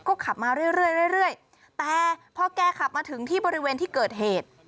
ก็ขับมาเรื่อยเรื่อยแต่พอแกขับมาถึงที่บริเวณที่เกิดเหตุ